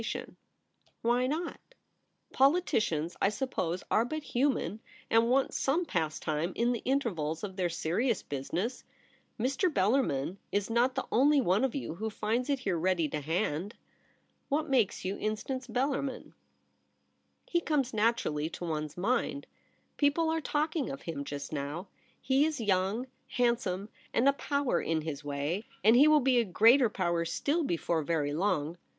ON THE TERRACE. 47 * Why not ? Politicians, I suppose, are but human, and want some pastime in the intervals of their serious business. Mr. Bellarmin is not the only one of you who finds it here ready to hand.' * What makes you Instance Bellarmin ?'' He comes naturally to one's mind. People are talking of him just now. He Is young, handsome, and a power in his way ; and he will be a greater power still, before very long.